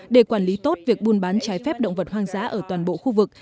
để quản lý tốt việc buôn bán trái phép động vật hoang dã ở toàn bộ khu vực